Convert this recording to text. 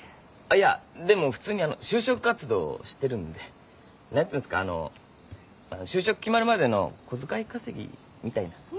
あっいやでも普通にあの就職活動してるんで何つうんすかあのあの就職決まるまでの小遣い稼ぎみたいな。